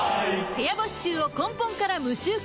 部屋干し臭を根本から無臭化